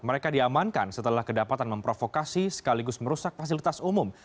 mereka diamankan setelah kedapatan memprovokasi sekaligus merusak fasilitas umum